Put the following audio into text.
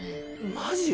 マジ！？